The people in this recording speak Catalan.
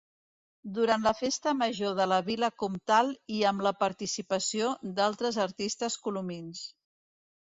Durant la Festa Major de la Vila Comtal i amb la participació d'altres artistes colomins.